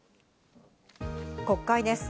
国会です。